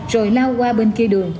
rồi lao qua bên kia đường